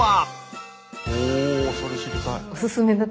おそれ知りたい。